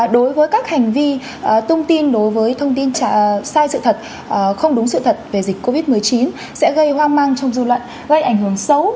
đối với các hành vi tung tin đối với thông tin sai sự thật không đúng sự thật về dịch covid một mươi chín sẽ gây hoang mang trong dư luận gây ảnh hưởng xấu